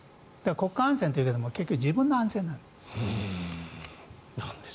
国家安全というけれど結局自分の安全なんです。